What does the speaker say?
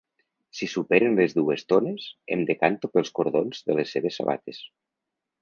Si superen les dues tones, em decanto pels cordons de les seves sabates